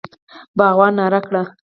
باغوان ناره کړه!